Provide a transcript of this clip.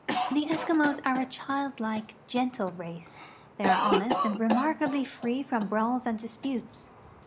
The Eskimos are a childlike, gentle race. They are honest and remarkably free from brawls and disputes.